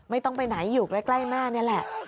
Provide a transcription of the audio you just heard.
ไม่ต้องไปไหนอยู่ใกล้แม่นี่แหละ